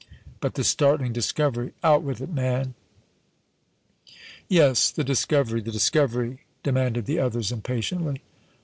But the startling discovery out with it, man!" "Yes; the discovery, the discovery!" demanded the others, impatiently.